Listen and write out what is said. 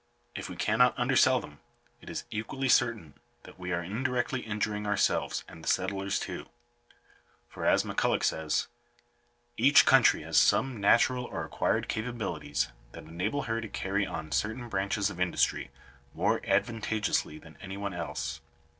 If we cannot undersell them, it is equally certain that we are indirectly injuring ourselves and the settlers too; for, as M'Culloch says: — "Each country has some natural or acquired capabilities that enable her to carry on certain branches of industry more advantageously than any one else.